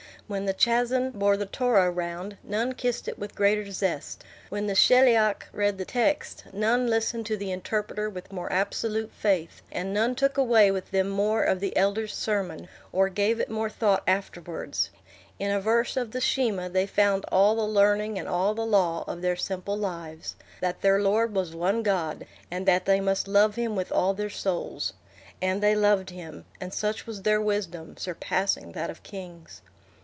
When the chazzan bore the Torah round, none kissed it with greater zest; when the sheliach read the text, none listened to the interpreter with more absolute faith; and none took away with them more of the elder's sermon, or gave it more thought afterwards. In a verse of the Shema they found all the learning and all the law of their simple lives—that their Lord was One God, and that they must love him with all their souls. And they loved him, and such was their wisdom, surpassing that of kings.